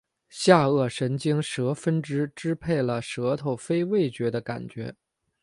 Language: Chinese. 下颌神经舌分支支配了舌头非味觉的感觉